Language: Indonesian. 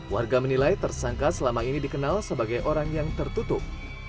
warga menilai tersangka selama ini dikenal sebagai orang yang tertutup